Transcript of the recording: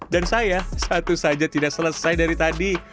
dan saya satu saja tidak selesai dari tadi